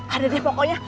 ada deh pokoknya